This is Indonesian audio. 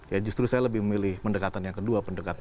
ya justru saya lebih memilih pendekatan yang kedua pendekatan